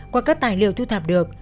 qua các tài liệu thu thập được